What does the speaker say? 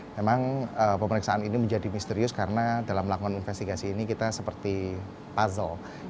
memang pemeriksaan ini menjadi misterius karena dalam melakukan investigasi ini kita seperti puzzle